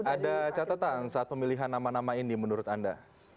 ada catatan saat pemilihan nama nama ini menurut anda